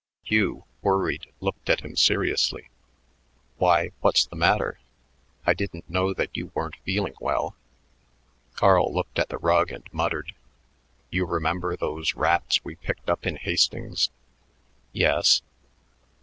Hugh, worried, looked at him seriously. "Why, what's the matter? I didn't know that you weren't feeling well." Carl looked at the rug and muttered, "You remember those rats we picked up in Hastings?" "Yes?"